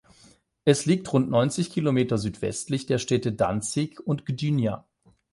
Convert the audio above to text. Es liegt rund neunzig Kilometer südwestlich der Städte Danzig und Gdynia.